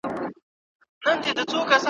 راسه مسیحا غم ګُسار نه لرم